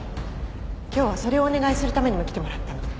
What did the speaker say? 今日はそれをお願いするためにも来てもらったの。